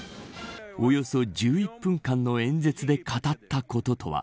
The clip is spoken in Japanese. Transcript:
およそ１１分間の演説で語ったこととは。